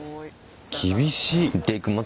厳しい。